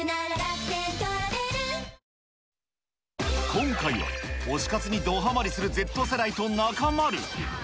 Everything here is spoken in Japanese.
今回は、推し活にドハマりするＺ世代とナカマる！